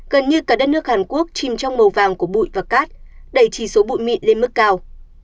gần như cả đất nước hàn quốc chìm trong màu vàng của bụi và cát đẩy chỉ số bụi mịn lên mức cao